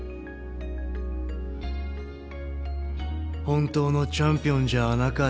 本当のチャンピオンじゃなか